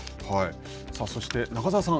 そして中澤さん